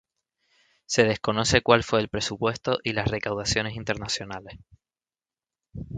Se desconoce cual fue el presupuesto y las recaudaciones internacionales.